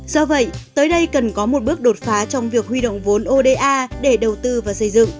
do vậy tới đây cần có một bước đột phá trong việc huy động vốn oda để đầu tư và xây dựng